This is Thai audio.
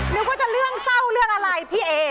นึกว่าจะเรื่องเศร้าเรื่องอะไรพี่เอ